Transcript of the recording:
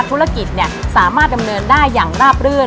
ธุรกิจสามารถดำเนินได้อย่างราบรื่น